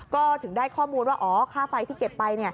ก็ถึงได้ข้อมูลว่าอ๋อค่าไฟที่เก็บไป